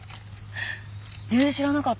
全然知らなかった